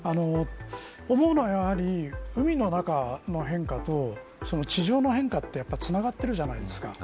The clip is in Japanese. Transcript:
思うのは、海の中の変化と地上の変化ってつながっているじゃないですか。